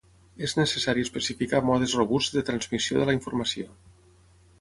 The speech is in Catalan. És necessari especificar modes robusts de transmissió de la informació.